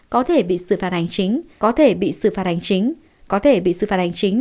có thể bị xử phạt hành chính có thể bị xử phạt hành chính có thể bị xử phạt hành chính